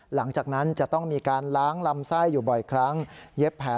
หลังจากนั้นจะต้องมีการล้างลำไส้อยู่บ่อยครั้งเย็บแผล